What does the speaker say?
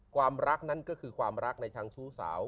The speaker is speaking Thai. ความรักนั้นก็คือความรักในทางชู้สาว